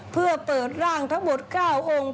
เพื่อเปิดร่างทะบดเก้าองค์